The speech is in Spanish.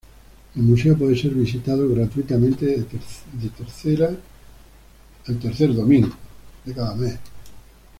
El museo puede ser visitado gratuitamente de tercera a domingo.